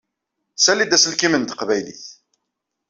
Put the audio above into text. Sali-d aselkim n teqbaylit.